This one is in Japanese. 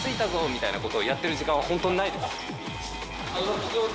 みたいなことをやっている時間はホントにないです。